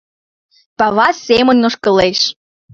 Пава семын ошкылеш.